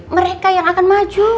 mereka yang akan maju